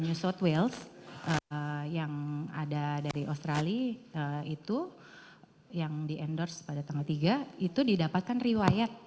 new south wales yang ada dari australia itu yang di endorse pada tanggal tiga itu didapatkan riwayat